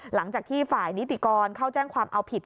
หลังจากที่ฝ่ายนิติกรเข้าแจ้งความเอาผิด